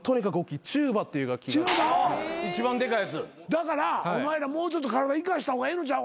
だからお前らもうちょっと体生かした方がええのちゃう？